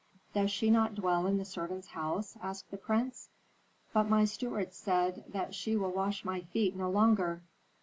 "Does she not dwell in the servants' house?" asked the prince. "But my steward says that she will wash my feet no longer."